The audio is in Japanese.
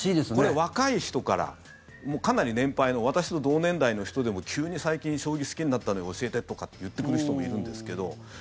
若い人から、かなり年配の私の同年代の人でも急に最近、将棋好きになったのよ教えてとかって言ってくる人もいるんですけど。